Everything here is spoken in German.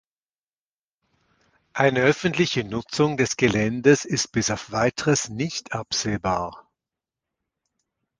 Eine öffentliche Nutzung des Geländes ist bis auf weiteres nicht absehbar.